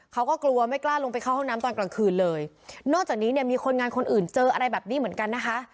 เขาก็กลัวไม่กล้าลงไปเข้าห้องน้ำตอนกลางคืนเลยนอกจากนี้เนี่ยมีคนงานคนอื่นเจออะไรแบบนี้เหมือนกันนะคะ